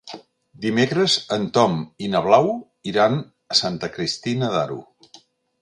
Dimecres en Tom i na Blau iran a Santa Cristina d'Aro.